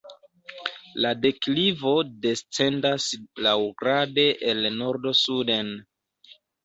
La deklivo descendas laŭgrade el nordo suden.